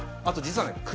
あと実はね